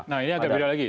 nah ini agak beda lagi